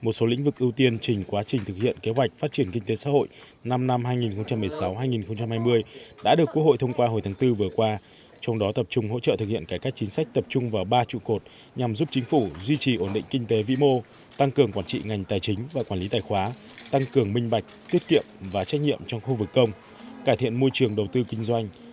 một số lĩnh vực ưu tiên trình quá trình thực hiện kế hoạch phát triển kinh tế xã hội năm năm hai nghìn một mươi sáu hai nghìn hai mươi đã được quốc hội thông qua hồi tháng bốn vừa qua trong đó tập trung hỗ trợ thực hiện cải cách chính sách tập trung vào ba trụ cột nhằm giúp chính phủ duy trì ổn định kinh tế vĩ mô tăng cường quản trị ngành tài chính và quản lý tài khoá tăng cường minh bạch tiết kiệm và trách nhiệm trong khu vực công cải thiện môi trường đầu tư kinh doanh